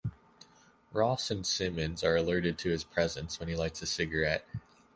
Ross and Simmonds are alerted to his presence when he lights a cigarette.